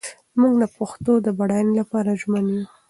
موږ د پښتو د بډاینې لپاره ژمن یو.